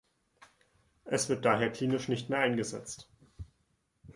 Es wird daher klinisch nicht mehr eingesetzt.